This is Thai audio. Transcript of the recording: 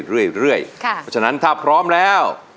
เพราะฉะนั้นถ้าพร้อมแล้ว